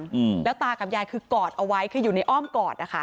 อืมแล้วตากับยายคือกอดเอาไว้คืออยู่ในอ้อมกอดนะคะ